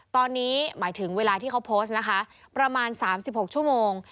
ตอนนี้หมายถึงเวลาที่เขาโพสต์นะคะประมาณ๓๖ชั่วโมง